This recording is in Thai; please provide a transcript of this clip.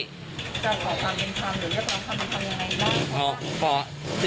แต่ขอความเย็นทำหรือเรียบร้อยความเย็นทำยังไง